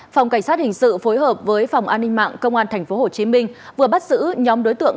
phòng cảnh sát hình sự phối hợp với phòng an ninh mạng công an tp hcm vừa bắt giữ nhóm đối tượng